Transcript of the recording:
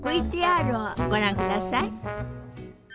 ＶＴＲをご覧ください。